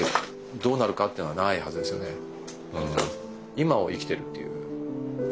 今を生きてるっていう。